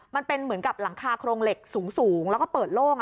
มันเป็นเหมือนกับหลังคาโครงเหล็กสูงแล้วก็เปิดโล่ง